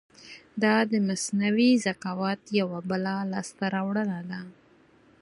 دا د مصنوعي ذکاوت یو بله لاسته راوړنه ده.